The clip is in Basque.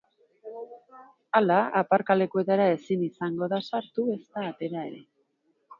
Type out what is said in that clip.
Hala, aparkalekuetara ezin izango da sartu ezta atera ere.